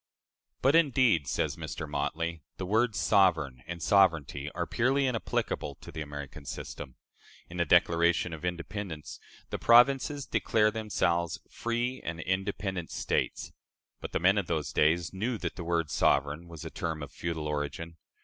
"But, indeed," says Mr. Motley, "the words 'sovereign' and 'sovereignty' are purely inapplicable to the American system. In the Declaration of Independence the provinces declare themselves 'free and independent States,' but the men of those days knew that the word 'sovereign' was a term of feudal origin.